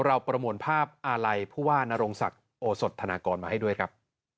ประมวลภาพอาลัยผู้ว่านโรงศักดิ์โอสดธนากรมาให้ด้วยครับ